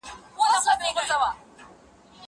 زه به سبا واښه راوړم وم!